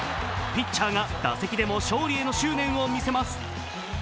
ピッチャーが打席でも勝利への執念を見せます。